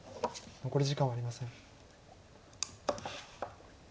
残り時間はありません。